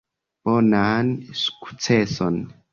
Bonan sukceson!